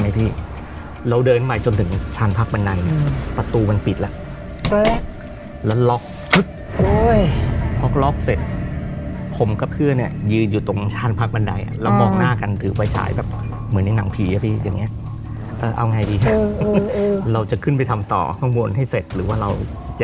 แล้วเดินไปจนถึงชานพักบันไดนี่ประตูมันปิดแหละ